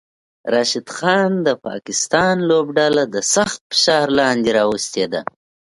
راشد خان د پاکستان لوبډله د سخت فشار لاندې راوستی ده